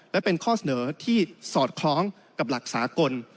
และเป็นข้อเสนอที่สอดคล้องกับหลักสากล